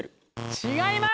違います！